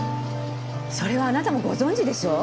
それはあなたもご存じでしょう？